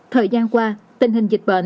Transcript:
thời gian qua tình hình dịch bệnh